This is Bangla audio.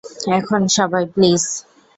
এখন, সবাই, প্লিজ!